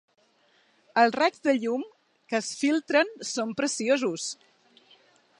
Els raigs de llum que es filtren són preciosos.